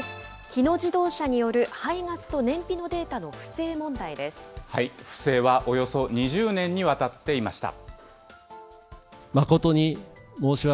日野自動車による排ガスと燃費の不正はおよそ２０年にわたっていました。